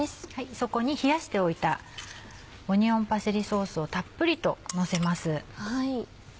そこに冷やしておいたオニオンパセリソースをたっぷりとのせます。